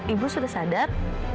ibu sudah sadar